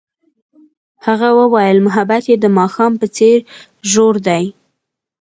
هغې وویل محبت یې د ماښام په څېر ژور دی.